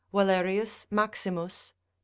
Valerius Maximus, ii.